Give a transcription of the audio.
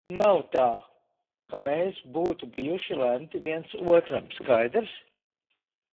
Nav tā, ka mēs būtu bijuši lemti viens otram, skaidrs?